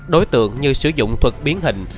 đối tượng như sử dụng thuật biến hình